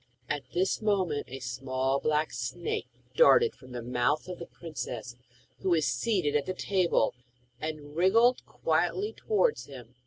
At this moment a small black snake darted from the mouth of the princess, who was seated at the table, and wriggled quickly towards him.